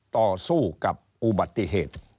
ต่อสู้กับอุบัติเหตุ